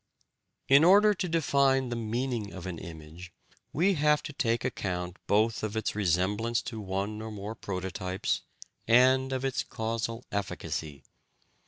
In order to define the "meaning" of an image, we have to take account both of its resemblance to one or more prototypes, and of its causal efficacy.